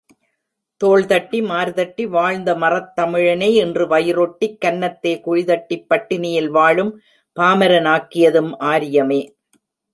தோள் தட்டி மார்தட்டி, வாழ்ந்த மறத்தமிழனை இன்று வயிறொட்டிக் கன்னத்தே குழிதட்டிப் பட்டினியில் வாழும் பாமரானாக்கியதும் ஆரியமே!